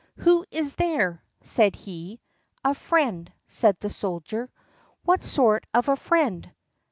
"Who is there?" said he. "A friend," said the soldier. "What sort of a friend?"